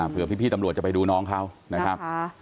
เพื่อพี่ตำรวจจะไปดูน้องเขานะครับ